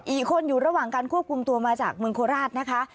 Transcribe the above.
อีกคนอยู่ระหว่างการควบคุมตัวมาจากเมืองโคราชนะคะ